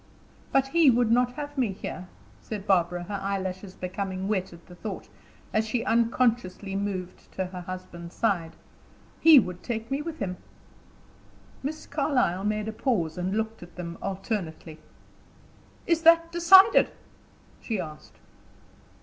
"But he would not leave me here," said Barbara, her eyelashes becoming wet at the thought, as she unconsciously moved to her husband's side. "He would take me with him." Miss Carlyle made a pause, and looked at them alternately. "Is that decided?" she asked.